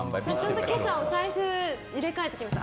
ちょうど今朝、お財布入れ替えてきました。